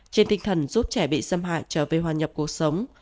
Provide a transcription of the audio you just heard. trên tinh thần giúp trẻ bị xâm hại trở về hòa nhập cuộc sống